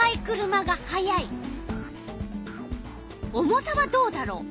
重さはどうだろう？